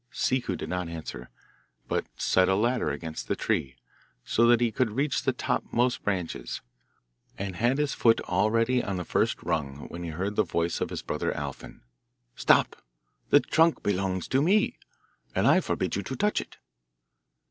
Ciccu did not answer, but set a ladder against the tree, so that he could reach the topmost branches, and had his foot already on the first rung when he heard the voice of his brother Alfin: 'Stop! the trunk belongs to me, and I forbid you to touch it!